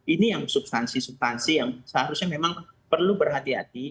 ini yang substansi substansi yang seharusnya memang perlu berhati hati